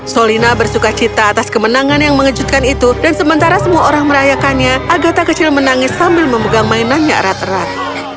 solina bersuka cita atas kemenangan yang mengejutkan itu dan sementara semua orang merayakannya agatha kecil menangis sambil memegang mainannya erat erat